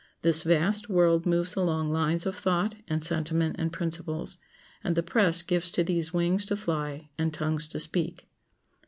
This vast world moves along lines of thought and sentiment and principles, and the press gives to these wings to fly and tongues to speak.